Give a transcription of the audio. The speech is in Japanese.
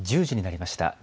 １０時になりました。